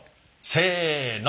せの。